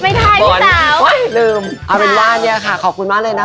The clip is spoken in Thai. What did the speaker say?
ไม่ทายพี่สาวโอ๊ยลืมอัลวิลล่าเนี่ยค่ะขอบคุณมากเลยนะคะ